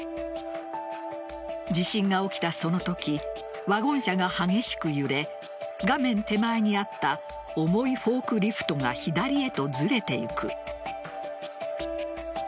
地震が起きたその時ワゴン車が激しく揺れ画面手前にあった重いフォークリフトが左へとずれていく。